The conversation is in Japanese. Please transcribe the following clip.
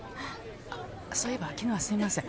あっそういえば昨日はすいません。